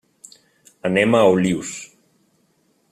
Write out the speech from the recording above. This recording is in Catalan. Anem a Olius.